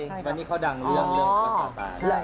วันนี้เขาดังเรื่องเรื่องรักษาตา